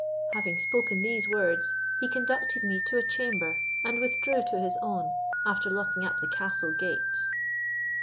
Having spoken these words, he conducted me to a chamber, and withdrew to his own, after locking up the castle gates.